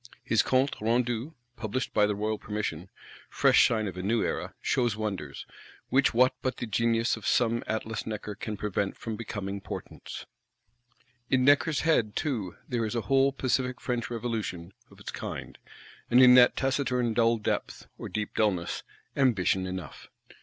His Compte Rendu, published by the royal permission, fresh sign of a New Era, shows wonders;—which what but the genius of some Atlas Necker can prevent from becoming portents? In Necker's head too there is a whole pacific French Revolution, of its kind; and in that taciturn dull depth, or deep dulness, ambition enough.